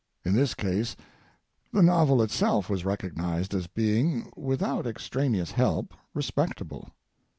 In this case the novel itself was recognized as being, without extraneous help, respectable.